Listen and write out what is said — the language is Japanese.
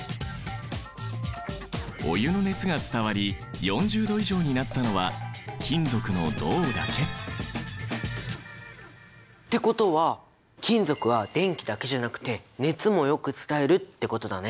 お湯の熱が伝わり４０℃以上になったのは金属の銅だけ。ってことは金属は電気だけじゃなくて熱もよく伝えるってことだね！